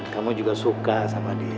kamu juga suka sama dia